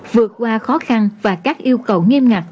vượt qua khó khăn và các yêu cầu nghiêm ngặt